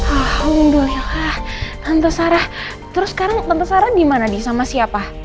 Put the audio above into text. alhamdulillah tante sarah terus sekarang tante sarah di mana di sama siapa